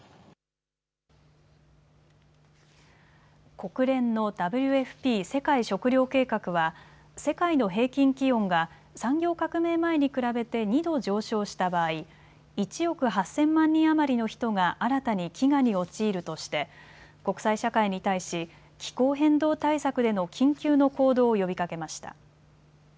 国連のＷＦＰ・世界食糧計画は世界の平均気温が産業革命前に比べて２度上昇した場合、１億８０００万人余りの人が新たに飢餓に陥るとして国際社会に対し気候変動対策での緊急の行動を呼びかけました。